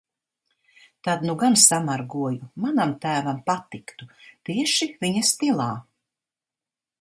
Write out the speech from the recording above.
Tad nu gan samargoju! Manam tēvam patiktu. Tieši viņa stilā...